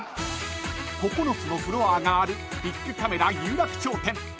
［９つのフロアがあるビックカメラ有楽町店］